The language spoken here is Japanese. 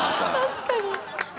確かに。